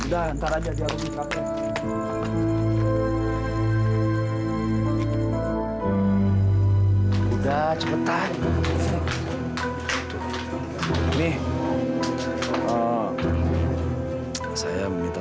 sudah nanti saja dia akan beritahu